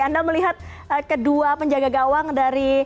anda melihat kedua penjaga gawang dari